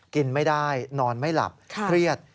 กินไม่ได้นอนไม่หลับเครียด